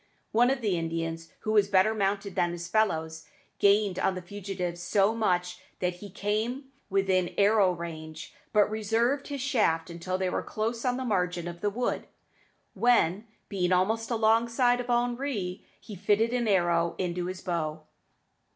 One of the Indians, who was better mounted than his fellows, gained on the fugitives so much that he came within arrow range, but reserved his shaft until they were close on the margin of the wood, when, being almost alongside of Henri, he fitted an arrow to his bow.